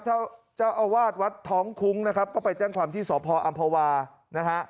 เจ้าอาวาสวัดท้องคุ้งนะครับก็ไปแจ้งความที่สพออำภาวานะฮะ